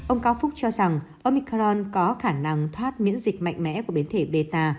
ông cao phúc cho rằng omicron có khả năng thoát miễn dịch mạnh mẽ của biến thể belar